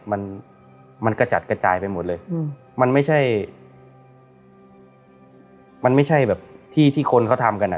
มันมันกระจัดกระจายไปหมดเลยอืมมันไม่ใช่มันไม่ใช่แบบที่ที่คนเขาทำกันอ่ะ